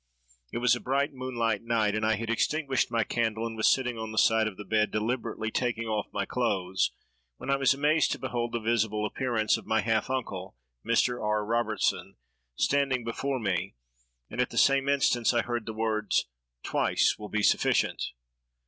It was a bright moonlight night and I had extinguished my candle and was sitting on the side of the bed, deliberately taking off my clothes, when I was amazed to behold the visible appearance of my half uncle, Mr. R. Robertson, standing before me; and, at the same instant, I heard the words, '_Twice will be sufficient!